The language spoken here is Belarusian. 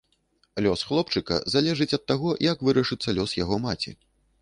Лёс хлопчыка залежыць ад таго, як вырашыцца лёс яго маці.